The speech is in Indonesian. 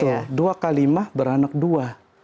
betul dua kalimah beranak dua